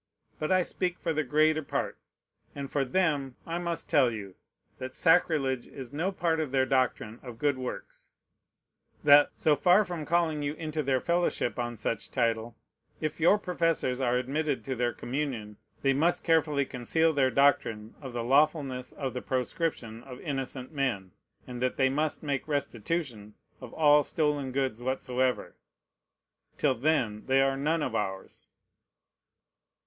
But I speak for the greater part; and for them, I must tell you, that sacrilege is no part of their doctrine of good works; that, so far from calling you into their fellowship on such title, if your professors are admitted to their communion, they must carefully conceal their doctrine of the lawfulness of the proscription of innocent men, and that they must make restitution of all stolen goods whatsoever. Till then they are none of ours.